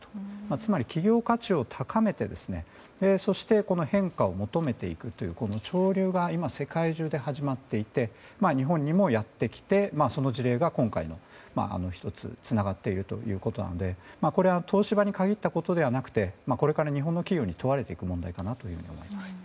つまり企業価値を高めてそして変化を求めていくというこの潮流が今、世界中で始まっていて日本にもやってきてその事例が、今回の１つにつながっているということなのでこれは東芝に限ったことではなくてこれから日本の企業に問われていく問題かなと思います。